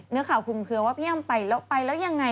เนื้อข่าวคุมเคลือว่าพี่ใจงั้นไปเรายังไง